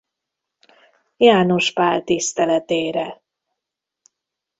János Pál tiszteletére.